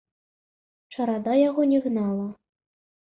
Чарада яго не гнала.